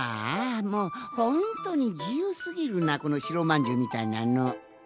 もうほんとうにじゆうすぎるなこのしろまんじゅうみたいなの。